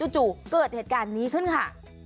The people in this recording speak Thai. จู่เกิดเหตุการณ์นี้ขึ้นค่ะ